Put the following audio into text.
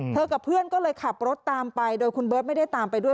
กับเพื่อนก็เลยขับรถตามไปโดยคุณเบิร์ตไม่ได้ตามไปด้วย